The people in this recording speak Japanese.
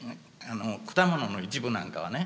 果物の一部なんかはね